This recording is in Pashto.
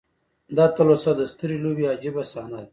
دا تلوسه د سترې لوبې عجیبه صحنه ده.